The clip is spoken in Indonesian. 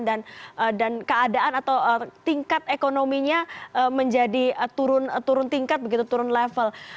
dan keadaan atau tingkat ekonominya menjadi turun tingkat turun level